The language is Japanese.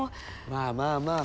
まあまあまあ。